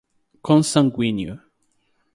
consanguíneo